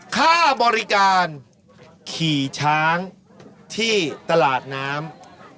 ค่าบริการขี่ช้างที่ตลาดน้ำ